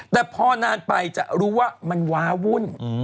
แต่พอนานไปจะรู้ว่ามันว้าวุ่น